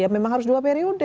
memang harus dua periode